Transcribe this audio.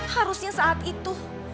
harusnya saat itu